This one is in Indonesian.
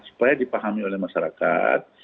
supaya dipahami oleh masyarakat